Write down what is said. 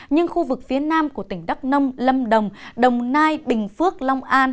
nhưng khu vực phía nam của tỉnh đắk nông lâm đồng đồng nai bình phước long an